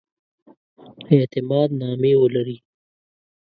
اعتماد نامې ولري.